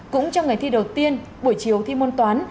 cũng trong ngày thi đầu tiên buổi chiều thi môn toán